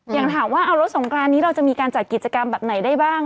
อย่างถามว่าเอารถสงกรานนี้เราจะมีการจัดกิจกรรมแบบไหนได้บ้าง